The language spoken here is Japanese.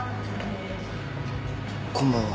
こんばんは。